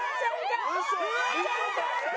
フワちゃんか？